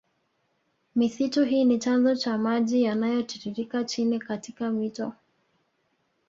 Misitu hii ni chanzo cha maji yanayotiririke chini katika mito